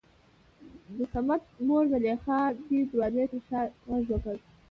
دصمد مور زليخا دې دروازې تر شا غږ وکړ.